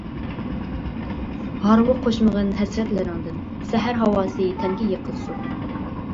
ھارۋا قوشمىغىن ھەسرەتلىرىڭدىن، سەھەر ھاۋاسى تەنگە يىقىلسۇن.